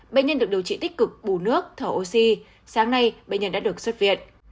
bệnh nhân được điều trị tích cực bù nước thở oxy sáng nay bệnh nhân đã được xuất viện